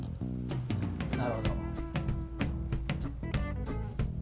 なるほど。